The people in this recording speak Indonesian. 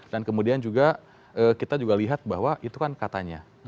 dan kemudian juga kita juga lihat bahwa itu kan katanya